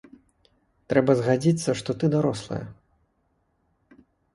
Трэба згадзіцца, што ты дарослая.